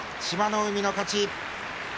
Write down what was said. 海の勝ち。